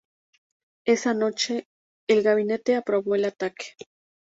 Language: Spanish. Esa noche, el gabinete aprobó el ataque.